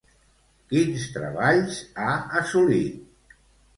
Quins treballs ha assolit?